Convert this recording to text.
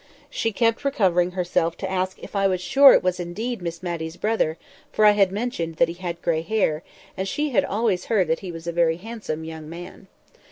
She kept recovering herself to ask if I was sure it was indeed Miss Matty's brother, for I had mentioned that he had grey hair, and she had always heard that he was a very handsome young man.